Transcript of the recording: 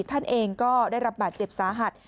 ท่านเองก็ได้รับบาดเจ็บสาหัส